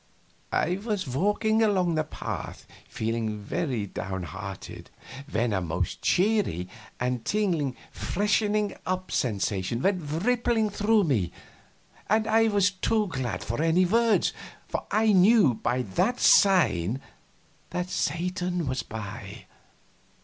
I was walking along the path, feeling very downhearted, when a most cheery and tingling freshening up sensation went rippling through me, and I was too glad for any words, for I knew by that sign that Satan was by.